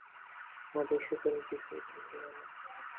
মধুসূদন কিছুই বুঝলে না।